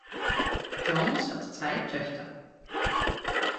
Jones hat zwei Töchter.